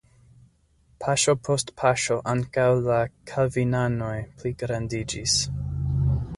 Paŝo post paŝo ankaŭ la kalvinanoj pligrandiĝis.